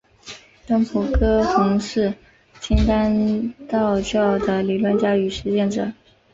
东晋葛洪是金丹道教的理论家与实践者。